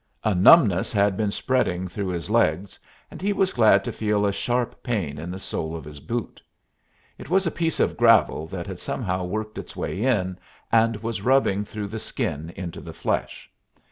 A numbness had been spreading through his legs, and he was glad to feel a sharp pain in the sole of his foot. It was a piece of gravel that had somehow worked its way in, and was rubbing through the skin into the flesh.